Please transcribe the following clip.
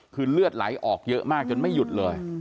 คือเลือดไหลออกเยอะมากจนไม่หยุดเลย